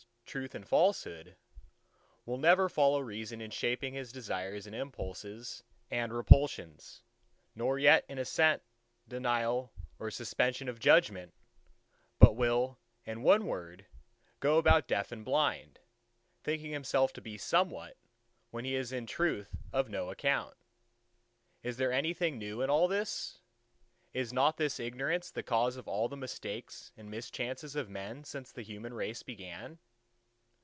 . Truth and Falsehood, will never follow Reason in shaping his desires and impulses and repulsions, nor yet in assent, denial, or suspension of judgement; but will in one word go about deaf and blind, thinking himself to be somewhat, when he is in truth of no account. Is there anything new in all this? Is not this ignorance the cause of all the mistakes and mischances of men since the human race began?